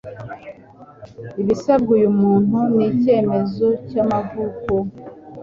ibisabwa uyu muntu ni icyemezo cy'amavuko,